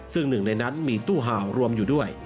ซึ่งหนึ่งในนั้นมีตู้ห่าวรวมอยู่ด้วย